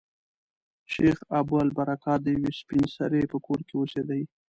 شیخ ابوالبرکات د یوې سپین سري په کور کې اوسېدی.